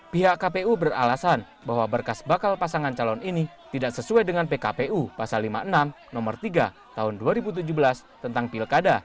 pihak kpu beralasan bahwa berkas bakal pasangan calon ini tidak sesuai dengan pkpu pasal lima puluh enam nomor tiga tahun dua ribu tujuh belas tentang pilkada